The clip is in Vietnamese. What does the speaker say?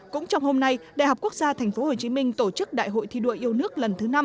cũng trong hôm nay đại học quốc gia tp hcm tổ chức đại hội thi đua yêu nước lần thứ năm